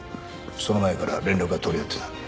その前から連絡は取り合ってた。